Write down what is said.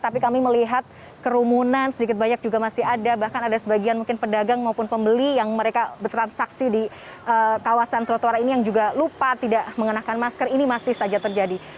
tapi kami melihat kerumunan sedikit banyak juga masih ada bahkan ada sebagian mungkin pedagang maupun pembeli yang mereka bertransaksi di kawasan trotoar ini yang juga lupa tidak mengenakan masker ini masih saja terjadi